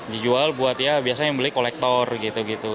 dijual buat ya biasanya yang beli kolektor gitu gitu